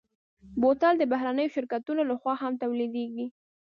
بوتل د بهرنيو شرکتونو لهخوا هم تولیدېږي.